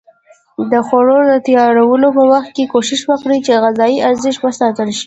د خوړو د تیارولو په وخت کې کوښښ وکړئ چې غذایي ارزښت وساتل شي.